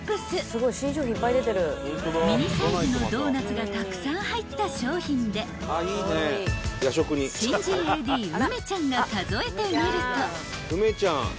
［ミニサイズのドーナツがたくさん入った商品で新人ＡＤ梅ちゃんが数えてみると］